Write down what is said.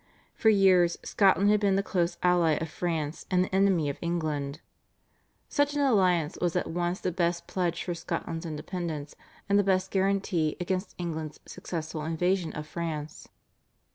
For years Scotland had been the close ally of France and the enemy of England. Such an alliance was at once the best pledge for Scotland's independence, and the best guarantee against England's successful invasion of France.